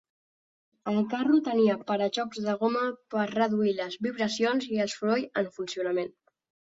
El carro tenia para-xocs de goma per reduir les vibracions i el soroll en funcionament.